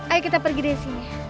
ayo kita pergi dari sini